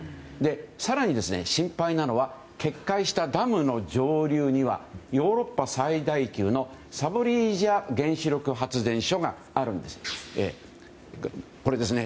更に、心配なのは決壊したダムの上流にはヨーロッパ最大級のザポリージャ原子力発電所があります。